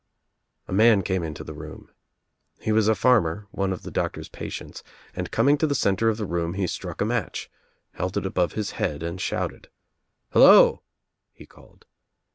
A man came into the room. He was a farmer, one of the doctor's patients, and coming to the centre of the room he struck a match, held It above his head and shouted. "Hello!" he called.